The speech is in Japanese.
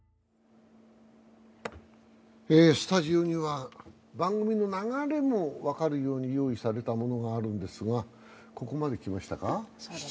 スタジオには番組の流れも分かるように用意されたものがあるんですが、７月まで来ました。